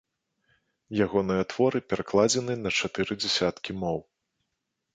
Ягоныя творы перакладзены на чатыры дзясяткі моў.